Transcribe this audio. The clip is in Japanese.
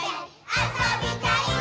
あそびたいっ！！」